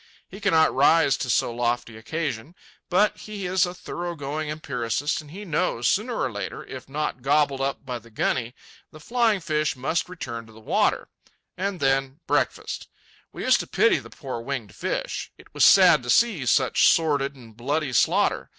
He cannot rise to so lofty occasion, but he is a thorough going empiricist, and he knows, sooner or later, if not gobbled up by the guny, that the flying fish must return to the water. And then—breakfast. We used to pity the poor winged fish. It was sad to see such sordid and bloody slaughter.